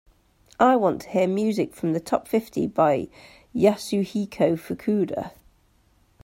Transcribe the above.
I want to hear music from the top fifty by Yasuhiko Fukuda